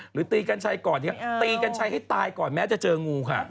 ตีกัญชัยก่อนตีกัญชัยให้ตายก่อนแม้จะเจองูค่ะ